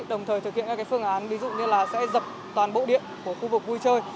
đồng thời thực hiện các phương án ví dụ như dập toàn bộ điện của khu vực vui chơi